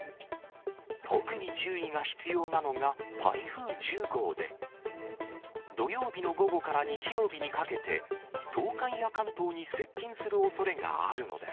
特に注意が必要なのが台風１０号で、土曜日の午後から日曜日にかけて、東海や関東に接近するおそれがあるのです。